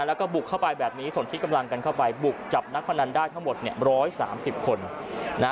แล้วก็บุกเข้าไปแบบนี้ส่วนที่กำลังกันเข้าไปบุกจับนักพนันได้ทั้งหมด๑๓๐คน